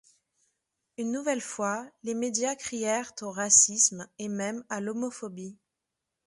Une nouvelle fois, les médias crièrent au racisme et même à l'homophobie.